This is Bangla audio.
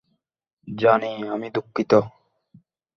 জানি, আমি দুঃখিত।